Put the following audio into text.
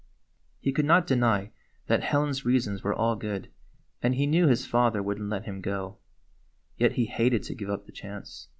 He could not deny that Helen's reasons were all good, and he knew his father would n't let him go. Yet he hated to give up the chance.